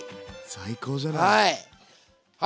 最高じゃない。